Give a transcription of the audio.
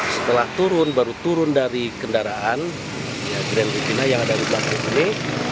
setelah turun baru turun dari kendaraan grand fina yang ada di belakang ini